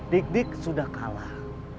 dik dik sudah kalah